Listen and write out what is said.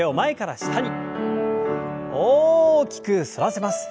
大きく反らせます。